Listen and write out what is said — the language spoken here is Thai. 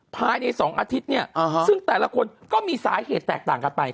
ภายใน๒อาทิตย์เนี่ยซึ่งแต่ละคนก็มีสาเหตุแตกต่างกันไป